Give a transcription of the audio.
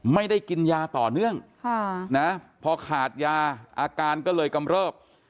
ไม่ได้กินยาต่อเนื่องพอขาดยาอาการก็เลยกำเริบ